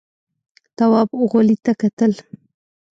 تواب غولي ته کتل….